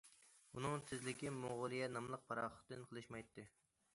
ئۇنىڭ تېزلىكى« موڭغۇلىيە» ناملىق پاراخوتتىن قېلىشمايتتى.